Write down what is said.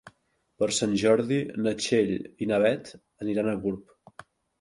Per Sant Jordi na Txell i na Beth aniran a Gurb.